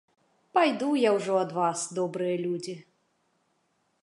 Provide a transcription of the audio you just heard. Пайду я ўжо ад вас, добрыя людзі.